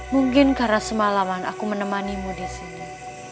mungkin karena semalaman aku menemanimu disini